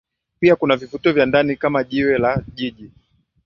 Pia kuna vivutio vya ndani kama jiwe la jiji